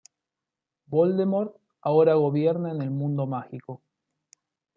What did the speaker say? Voldemort ahora gobierna en el mundo mágico.